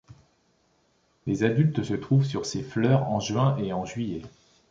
Les adultes se trouvent sur ces fleurs en juin et en juillet.